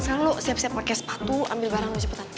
sekarang lo siap siap pake sepatu ambil barang lo cepetan